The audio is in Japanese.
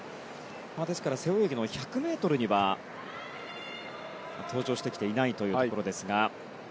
ですから背泳ぎの１００ｍには登場してきていないというところですが。